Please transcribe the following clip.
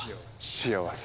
幸せ。